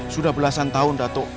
sudah belasan tahun dato